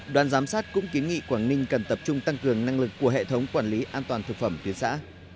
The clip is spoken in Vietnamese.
đoàn giám sát cũng kiến nghị quảng ninh cần tập trung tăng cường năng lực của hệ thống quản lý an toàn thực phẩm tuyến xã